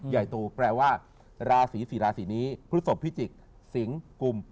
ใหญ่ตูกแปลว่าลาศรีสิลาศรีนี้พฤษฐพิจิกสิงกุม